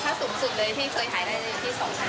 ถ้าสูงสุดเลยพี่เคยขายได้อยู่ที่๒๐๐๐บาท